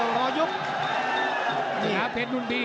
มันต้องอย่างงี้มันต้องอย่างงี้